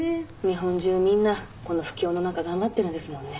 日本中みんなこの不況の中頑張ってるんですもんね。